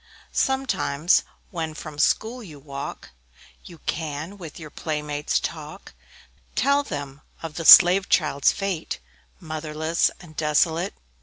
Sometimes, when from school you walk, You can with your playmates talk, Tell them of the slave child's fate, Motherless and desolate.